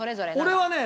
俺はね